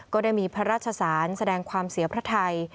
ก็ได้มีพระราชสารแสดงความเสียพระไทย